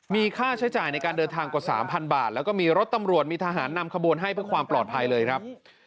มีค่าใช้จ่ายในการเดินทางกว่า๓๐๐บาทแล้วก็มีรถตำรวจมีทหารนำขบวนให้เพื่อความปลอดภัยเลยครับ